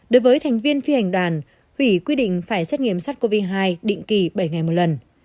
đối với thành viên phi hành đoàn hủy quy định phải xét nghiệm sars cov hai định kỳ bảy ngày một lần